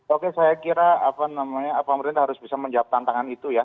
oke saya kira pemerintah harus bisa menjawab tantangan itu ya